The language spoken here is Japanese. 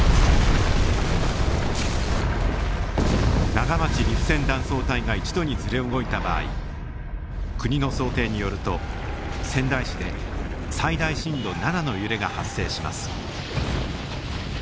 長町−利府線断層帯が一度にずれ動いた場合国の想定によると仙台市で最大震度７の揺れが発生します。